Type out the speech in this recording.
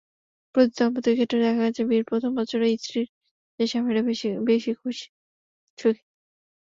প্রতি দম্পতির ক্ষেত্রে দেখা গেছে, বিয়ের প্রথম বছরে স্ত্রীর চেয়ে স্বামীরা বেশি সুখী।